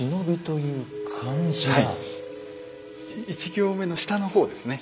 １行目の下の方ですね。